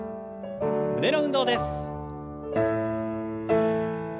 胸の運動です。